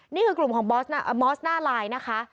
นี่คือกลุ่มของมอสหน้าไลน์นะคะ